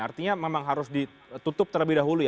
artinya memang harus ditutup terlebih dahulu ya